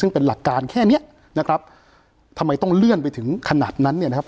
ซึ่งเป็นหลักการแค่เนี้ยนะครับทำไมต้องเลื่อนไปถึงขนาดนั้นเนี่ยนะครับ